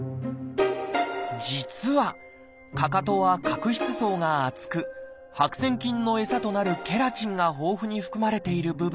実はかかとは角質層が厚く白癬菌の餌となるケラチンが豊富に含まれている部分。